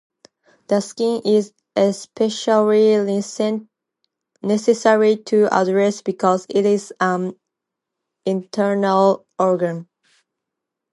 The skin is especially necessary to address because it is an external organ.